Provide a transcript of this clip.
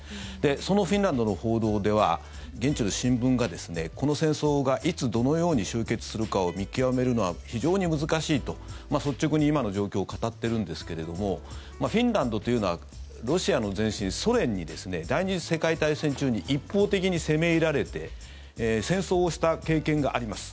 そのフィンランドの報道では現地の新聞がこの戦争がいつどのように終結するかを見極めるのは非常に難しいと率直に今の状況を語ってるんですけれどもフィンランドというのはロシアの前身、ソ連に第２次世界大戦中に一方的に攻め入られて戦争をした経験があります。